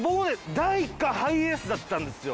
第１回ハイエースだったんですよ。